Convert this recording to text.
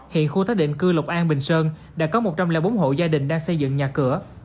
hiện khu tái định cư lộc an bình sơn đã có một trăm linh bốn hộ gia đình đang xây dựng nhà cửa